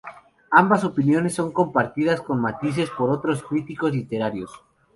Ambas opiniones son compartidas con matices por otros críticos literarios.